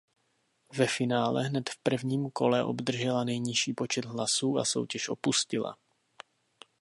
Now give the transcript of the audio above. Ve finále hned v prvním kole obdržela nejnižší počet hlasů a soutěž opustila.